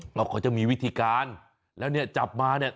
เพราะเขาจะมีวิธีการแล้วเนี่ยจับมาเนี่ย